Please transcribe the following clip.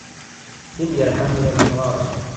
Tin yerḥan ula d imɣaren.